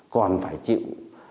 còn phải chịu